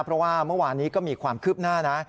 เพราะว่าเมื่อวานนี้ก็มีความคืบหน้านะ